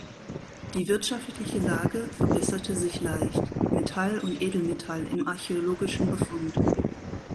Die wirtschaftliche Lage verbesserte sich leicht (Metall und Edelmetall im archäologischen Befund).